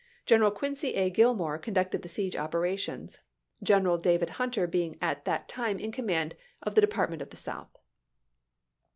General Quincy A. Gillmore conducted the siege operations. General David Hunter being at that time in command of the Department of the South.